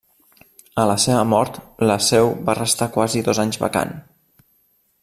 A la seva mort la seu va restar quasi dos anys vacant.